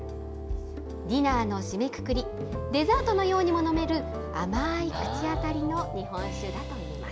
ディナーの締めくくり、デザートのようにも飲める甘い口当たりの日本酒だといいます。